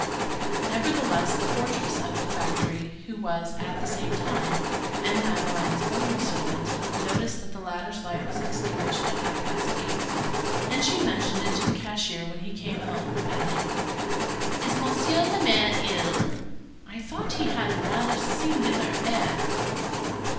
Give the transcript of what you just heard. Nevertheless, the portress of the factory, who was, at the same time, M. Madeleine's only servant, noticed that the latter's light was extinguished at half past eight, and she mentioned it to the cashier when he came home, adding:— "Is Monsieur le Maire ill? I thought he had a rather singular air."